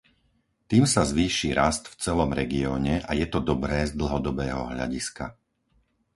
Tým sa zvýši rast v celom regióne a je to dobré z dlhodobého hľadiska.